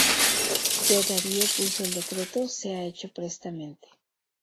Yo Darío puse el decreto: sea hecho prestamente.